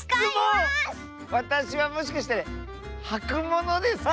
わたしはもしかしてはくものですか？